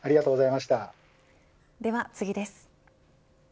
では次です。